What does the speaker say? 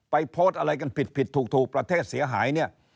โพสต์อะไรกันผิดผิดถูกประเทศเสียหายเนี่ย